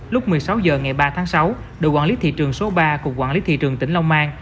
lúc một mươi sáu h ngày ba tháng sáu đội quản lý thị trường số ba cục quản lý thị trường tỉnh long an